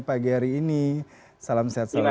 pagi hari ini salam sehat selalu